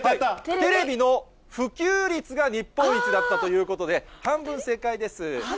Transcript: テレビの普及率が日本一だったということで、半分正解です。